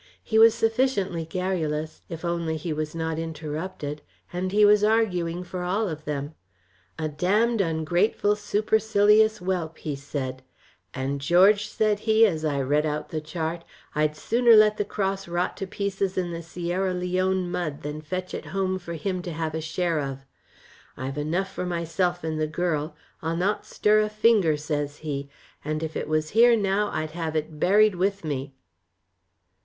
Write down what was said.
He was sufficiently garrulous, if only he was not interrupted, and he was arguing for all of them. "'A damned ungrateful, supercilious whelp,' he said; 'and George,' said he, as I read out the chart, 'I'd sooner let the cross rot to pieces in the Sierra Leone mud than fetch it home for him to have a share of. I've enough for myself and the girl. I'll not stir a finger,' says he, 'and if it was here now I'd have it buried with me.'